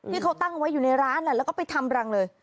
ที่เขาตั้งไว้อยู่ในร้านแล้วก็ไปทำรังเลย